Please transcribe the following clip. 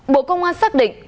bộ công an xác định